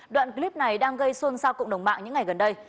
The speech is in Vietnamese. đoạn clip này đang gây xuân sao cộng đồng mạng những ngày gần đây